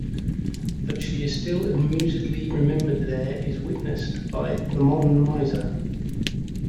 That she is still amusedly remembered there is witnessed by the modern Miser!